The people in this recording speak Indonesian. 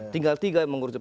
tinggal tiga yang menguruskan